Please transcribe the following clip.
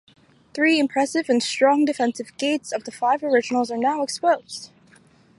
Three impressive and strong defensive gates of the five originals are now exposed.